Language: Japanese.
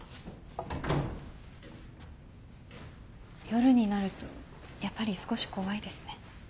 夜になるとやっぱり少し怖いですね。